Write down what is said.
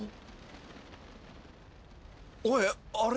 おいあれ。